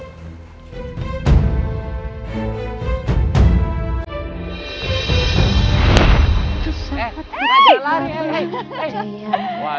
eh nggak jalan ya